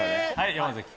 山崎。